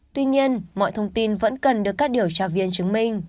tuy nhiên mọi thông tin vẫn cần được các điều tra viên chứng minh